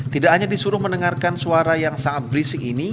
tidak hanya disuruh mendengarkan suara yang sangat berisik ini